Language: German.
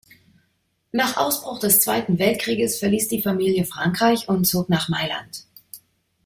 Nach Ausbruch des Zweiten Weltkrieges verliess die Familie Frankreich und zog nach Mailand.